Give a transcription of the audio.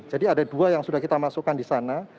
ada dua yang sudah kita masukkan di sana